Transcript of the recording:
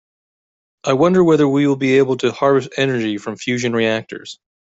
I wonder whether we will be able to harvest energy from fusion reactors.